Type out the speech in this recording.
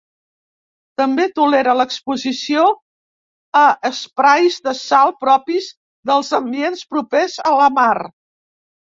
També tolera l'exposició a esprais de sal propis dels ambients propers a la mar.